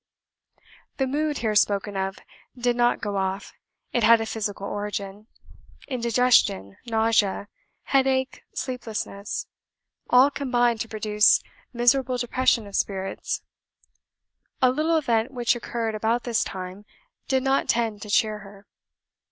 The "mood" here spoken of did not go off; it had a physical origin. Indigestion, nausea, headache, sleeplessness, all combined to produce miserable depression of spirits. A little event which occurred about this time, did not tend to cheer her.